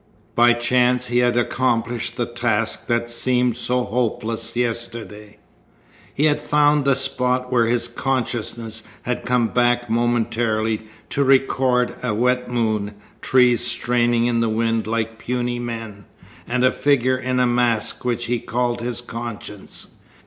By chance he had accomplished the task that had seemed so hopeless yesterday. He had found the spot where his consciousness had come back momentarily to record a wet moon, trees straining in the wind like puny men, and a figure in a mask which he had called his conscience.